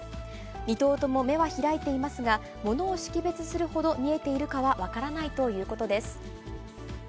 ２頭とも目は開いていますが、物を識別するほど見えているかは分からないということです。